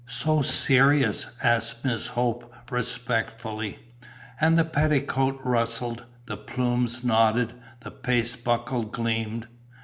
"So serious?" asked Miss Hope, respectfully. And the petticoat rustled, the plumes nodded, the paste buckle gleamed.